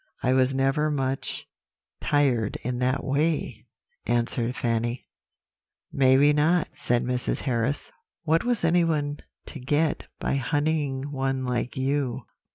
"'I was never much tired in that way,' answered Fanny. "'Maybe not,' said Mrs. Harris; 'what was anyone to get by honeying one like you?